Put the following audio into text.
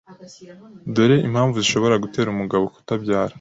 Dore impamvu zishobora gutera umugabo kutabyara